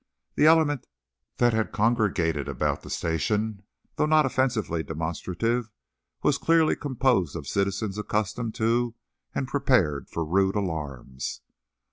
The element that had congregated about the station, though not offensively demonstrative, was clearly composed of citizens accustomed to and prepared for rude alarms.